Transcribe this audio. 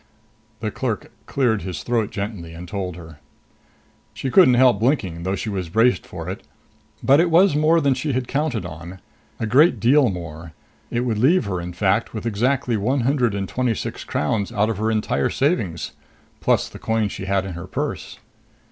The clerk cleared his throat gently and told her. She couldn't help blinking, though she was braced for it. But it was more than she had counted on. A great deal more. It would leave her, in fact, with exactly one hundred and twenty six crowns out of her entire savings, plus the coins she had in her purse.